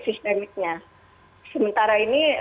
sistemiknya sementara ini